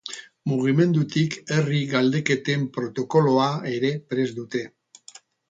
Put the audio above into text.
Mugimendutik herri galdeketen protokoloa ere prest dute.